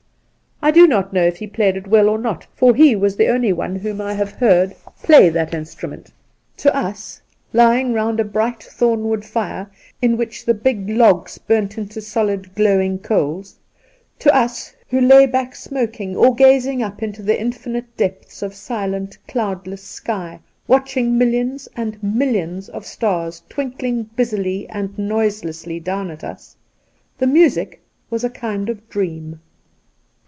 I do not know if he played it well or not, for he was the only one whom I have heard 56 Soltke play that instrument. To us, lying round a bright thornwood fire, in which the big logs burnt into solid glowing coals— to us, who lay back smoking or gazing up into the infinite depths of silent, cloudless sky, watching millions and millions of stars twinkling busily and noiselessly down at us, the music was a kind of dream.